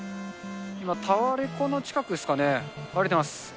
今、タワレコの近くですかね、歩いてます。